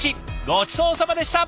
ごちそうさまでした。